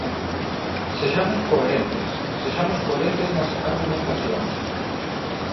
¡Sexamos coherentes!, sexamos coherentes nas argumentacións.